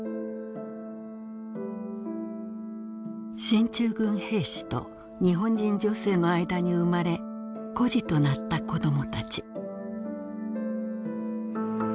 進駐軍兵士と日本人女性の間に生まれ孤児となった子どもたち。